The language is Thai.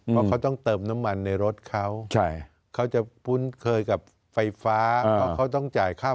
เพราะเขาต้องเติมน้ำมันในรถเขาเขาจะคุ้นเคยกับไฟฟ้าเพราะเขาต้องจ่ายค่า